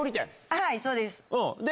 はいそうです。